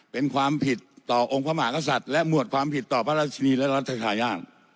เป็นความผิดต่อองค์พระมหากษัตริย์และหมวดความผิดต่อพระราชินีและรัฐทายาท